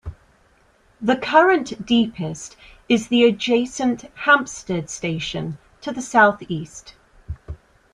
The current deepest is the adjacent Hampstead station to the south-east.